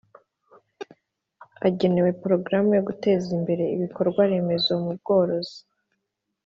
Agenewe programu yo guteza imbere ibikorwa remezo mu bworozi